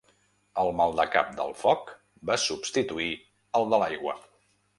El maldecap del foc va substituir el de l’aigua.